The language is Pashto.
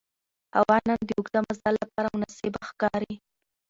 هوا نن د اوږده مزل لپاره مناسبه ښکاري